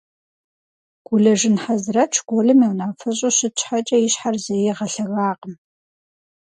Гулэжын Хьэзрэт школым и унафэщӏу щыт щхьэкӏэ и щхьэр зэи игъэлъэгакъым.